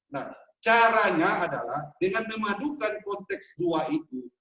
nah caranya adalah dengan memadukan konteks dua itu